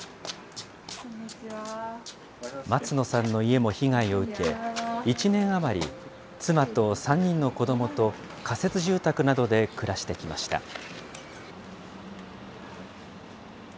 松野さんの家も被害を受け、１年余り、妻と３人の子どもと仮設住宅などで暮らしてきました。